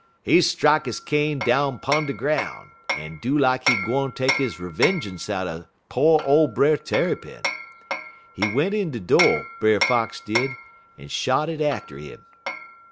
He strak he cane down 'pun de groun', en do lak he gwine take he revengeance out'n po' ole Brer Tarrypin. He went in de do', Brer Fox did, en shot it atter 'im.